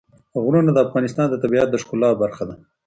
غرونه د افغانستان د طبیعت د ښکلا برخه ده.